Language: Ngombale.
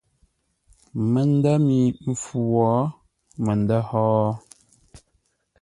Məndə̂ mi mpfu wo məndə̂ hó?